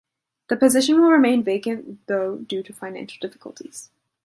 The position will remain vacant though due to financial difficulties.